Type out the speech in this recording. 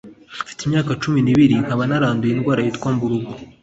Mfite imyaka cumi n’ibiri nkaba naranduye indwara yitwa Mburugu